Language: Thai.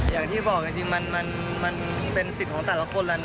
อย่างที่บอกจริงมันเป็นสิทธิ์ของแต่ละคนแล้วนะ